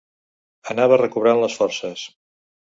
Anava recobrant les forces